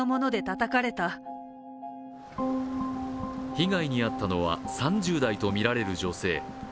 被害に遭ったのは３０代とみられる女性。